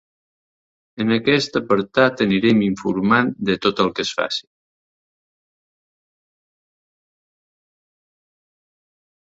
En aquest apartat anirem informant de tot el que es faci.